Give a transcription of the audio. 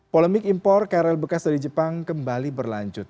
polemik impor krl bekas dari jepang kembali berlanjut